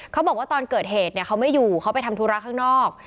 เขาบอกว่าตอนเกิดเหตุเขาไม่อยู่เขาไปทำธุระข้างนอก